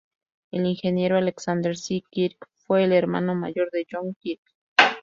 El ingeniero Alexander C. Kirk fue el hermano mayor de John Kirk.